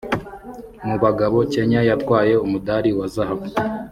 Mu bagabo Kenya yatwaye umudali wa zahabu